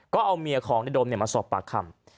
ก็เอาเมียของในโดมมาสอบปากคำ